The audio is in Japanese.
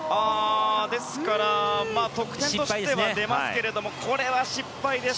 ですから得点としては出ますけれどもこれは失敗です。